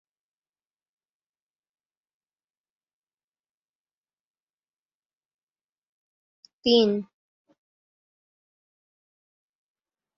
শচীন তেন্ডুলকর ও Dean Jones তার শিকারে পরিণত হয়েছিলেন।